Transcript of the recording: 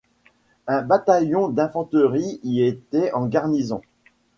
Un bataillon d’infanterie y était en garnison.